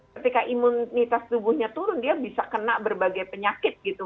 ketika imunitas tubuhnya turun dia bisa kena berbagai penyakit gitu